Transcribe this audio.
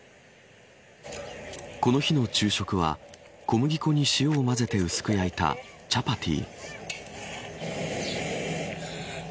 この日の昼食は小麦粉に塩を混ぜて薄く焼いたチャパティ。